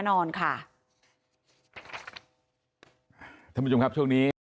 แล้วทำท่าเหมือนลบรถหนีไปเลย